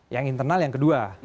yang internal yang kedua